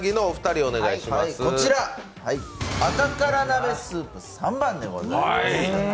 赤から鍋スープ３番でございます。